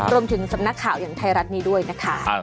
สำนักข่าวอย่างไทยรัฐนี้ด้วยนะคะ